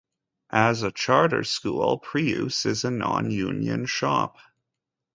As a charter school, Preuss is a non-union shop.